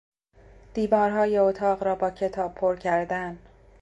دیوارهای اتاق را باکتاب پر کردن